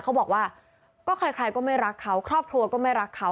เขาบอกว่าก็ใครก็ไม่รักเขาครอบครัวก็ไม่รักเขา